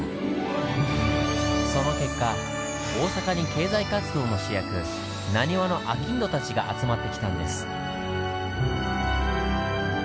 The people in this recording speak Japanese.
その結果大阪に経済活動の主役ナニワの商人たちが集まってきたんです。